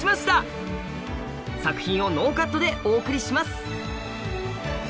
作品をノーカットでお送りします。